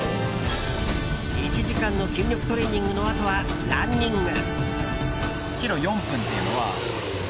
１時間の筋力トレーニングのあとはランニング。